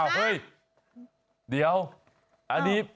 เนี้ยดูดี